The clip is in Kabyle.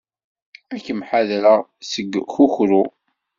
Ad kem-ḥadreɣ seg ukukru.